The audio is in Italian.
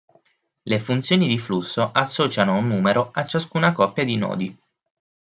Le funzioni di flusso associano un numero a ciascuna coppia di nodi.